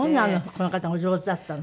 この方お上手だったの。